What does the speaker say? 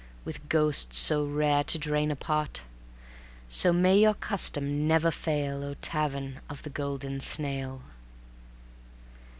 With ghosts so rare to drain a pot! So may your custom never fail, O Tavern of the Golden Snail!